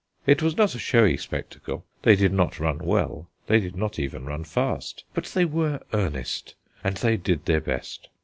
It was not a showy spectacle. They did not run well, they did not even run fast; but they were earnest, and they did their best.